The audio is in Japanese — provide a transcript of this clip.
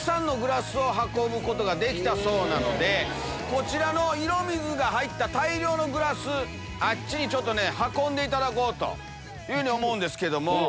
こちらの色水が入った大量のグラスあっちに運んでいただこうと思うんですけども。